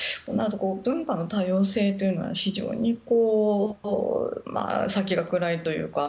文化の多様性というのは非常に先が暗いというか。